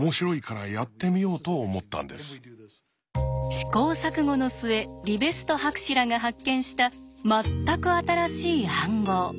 試行錯誤の末リベスト博士らが発見した全く新しい暗号。